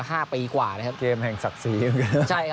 มา๕ปีกว่านะครับเกมแห่งศักดิ์สี